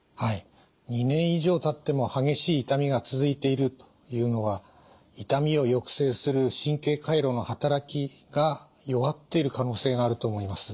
２年以上たっても激しい痛みが続いているというのは痛みを抑制する神経回路の働きが弱っている可能性があると思います。